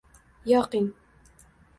Yoqing